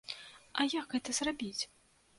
А як гэта зрабіць?